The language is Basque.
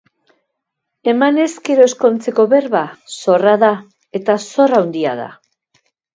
Emanez gero ezkontzeko berba, zorra da, eta zor handia da.